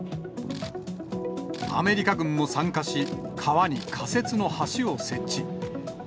アメリカ軍も参加し、川に仮設の橋を設置。